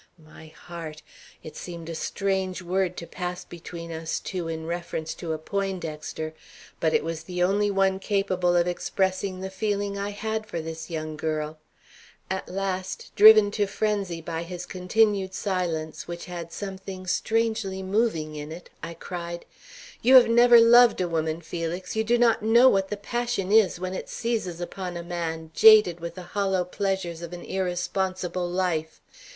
My heart! It seemed a strange word to pass between us two in reference to a Poindexter, but it was the only one capable of expressing the feeling I had for this young girl. At last, driven to frenzy by his continued silence, which had something strangely moving in it, I cried: "You have never loved a woman, Felix. You do not know what the passion is when it seizes upon a man jaded with the hollow pleasures of an irresponsible life.